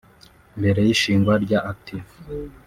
Mbere y’ishingwa rya Active